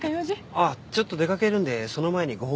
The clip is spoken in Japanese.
あっちょっと出かけるんでその前にご報告をと思いまして。